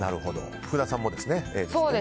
福田さんもですね、Ａ。